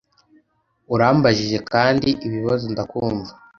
Urambajije kandi ibibazo ndakumva,